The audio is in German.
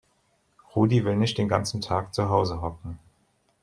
Rudi will nicht den ganzen Tag zu Hause hocken.